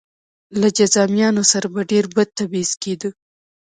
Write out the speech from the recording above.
له جذامیانو سره به ډېر بد تبعیض کېده.